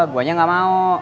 guanya nggak mau